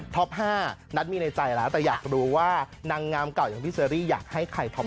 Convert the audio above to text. ๕นัทมีในใจแล้วแต่อยากรู้ว่านางงามเก่าอย่างพี่เชอรี่อยากให้ใครท็อป